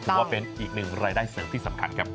ถือว่าเป็นอีกหนึ่งรายได้เสริมที่สำคัญครับ